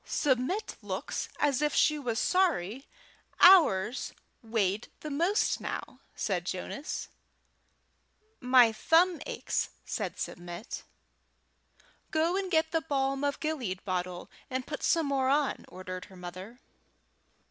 "Submit looks as if she was sorry ours weighed the most now," said Jonas. "My thumb aches," said Submit. "Go and get the balm of Gilead bottle, and put some more on," ordered her mother.